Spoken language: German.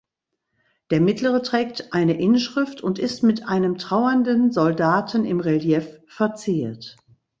Der mittlere trägt eine Inschrift und ist mit einem trauernden Soldaten im Relief verziert.